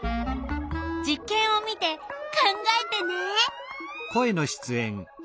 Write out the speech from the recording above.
実けんを見て考えてね！